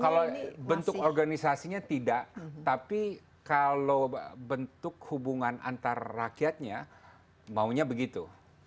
kalau bentuk organisasinya tidak tapi kalau bentuk hubungan antar rakyatnya maunya begitu